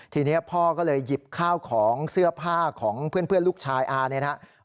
ทีนี้พ่อก็เลยหยิบข้าวของเสื้อผ้าของเพื่อนลูกชายอาเนี่ยนะครับ